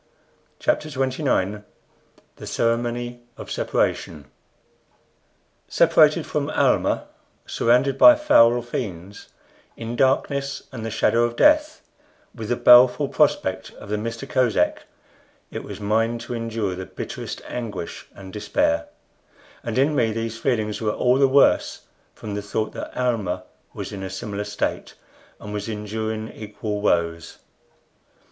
CHAPTER XXIX THE CEREMONY OF SEPARATION Separated from Almah, surrounded by foul fiends, in darkness and the shadow of death, with the baleful prospect of the Mista Kosek, it was mine to endure the bitterest anguish and despair; and in me these feelings were all the worse from the thought that Almah was in a similar state, and was enduring equal woes.